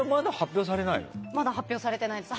まだされてないですね。